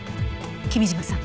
君嶋さん。